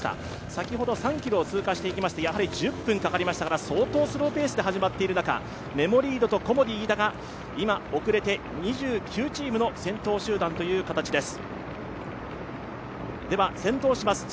先ほど３ｋｍを通過していきまして１０分かかりましたから相当スローペースで始まっている中メモリードとコモディイイダが今遅れて２９チームの先頭集団という形です。